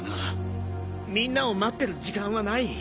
みんなを待ってる時間はない。